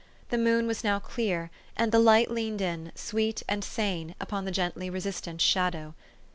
The moon was now clear, and the light leaned in, sweet and sane, upon the gently resistant shadow.